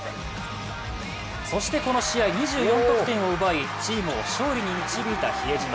そしてこの試合２４得点を奪いチームを勝利に導いた比江島。